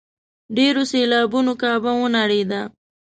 ډېرو سېلابونو کعبه ونړېده.